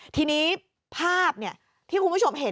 ทีนี้ภาพที่คุณผู้ชมเห็น